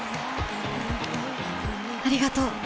ありがとう。